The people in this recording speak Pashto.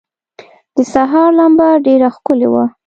د سهار لمبه ډېره ښکلي وه.